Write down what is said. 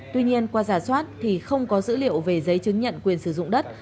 tuy nhiên qua giả soát thì không có dữ liệu về giấy chứng nhận quyền sử dụng đất